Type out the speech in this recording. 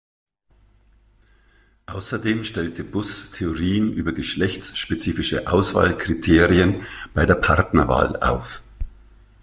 Außerdem stellte Buss Theorien über geschlechtsspezifische Auswahlkriterien bei der Partnerwahl auf.